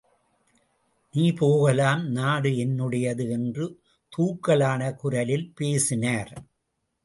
நீ போகலாம்!... நாடு என்னுடையது!... என்று தூக்கலான குரலில் பேசினார்.